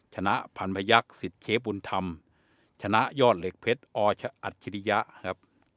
ชนะพันภัยักษ์ศิษย์เชฟบุญธรรมชนะยอดเหล็กเพชรออัจภิริยะ